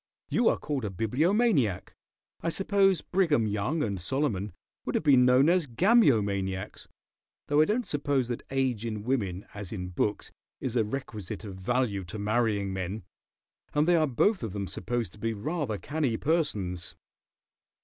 You are called a Bibliomaniac. I suppose Brigham Young and Solomon would have been known as Gamyomaniacs though I don't suppose that age in women as in books is a requisite of value to marrying men and they are both of them supposed to be rather canny persons."